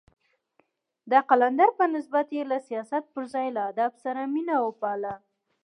د قلندر په نسبت يې له سياست پر ځای له ادب سره مينه وپالله.